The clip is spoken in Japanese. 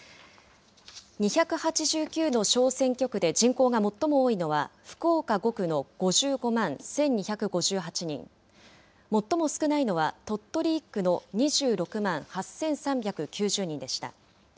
２８９の小選挙区で人口が最も多いのは福岡５区の５５万１２５８人、最も少ないのは鳥取１区の２６万８３９０人でした。